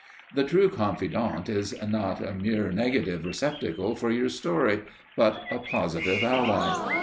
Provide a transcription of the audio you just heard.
The true confidant is not a mere negative receptacle for your story, but a positive ally.